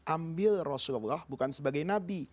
ambil rasulullah bukan sebagai nabi